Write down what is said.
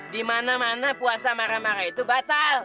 di mana mana puasa marah marah itu batal